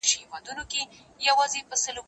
تکړښت د ښوونکي له خوا تنظيم کيږي!.